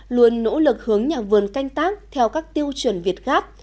luôn nỗ lực hướng nhà vườn canh tác theo các tiêu chuẩn việt gáp